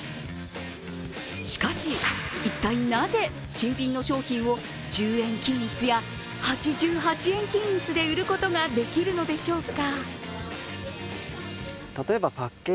しかし、一体なぜ新品の商品を１０円均一や８８円均一で売ることができるのでしょうか。